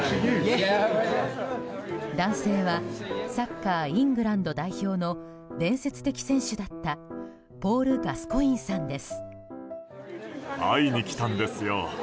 男性はサッカーイングランド代表の伝説的選手だったポール・ガスコインさんです。